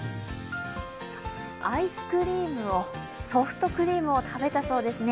アイスクリームを、ソフトクリームを食べたそうですね。